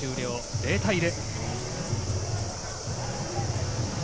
０対０。